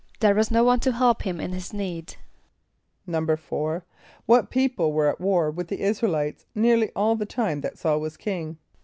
=There was no one to help him in his need.= =4.= What people were at war with the [)I][s+]´ra el [=i]tes nearly all the time that S[a:]ul was king?